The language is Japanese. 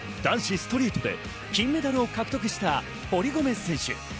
ストリートで金メダルを獲得した堀米選手。